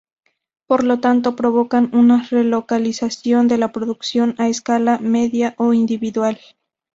Por lo tanto provocan una relocalización de la producción a escala media o individual.